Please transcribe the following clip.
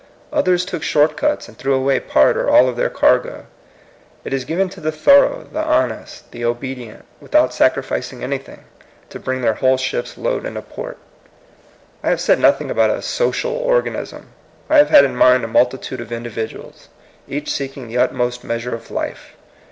Others took short cuts, and threw away part or all of their cargo. It is given to the thorough, the honest, the obedient, without sacrificing anjrthing, to bring their whole ship's load into port. I have said nothing about a '^social or ganism." I have had in mind a multitude of individuals, each seeking the utmost measure of life.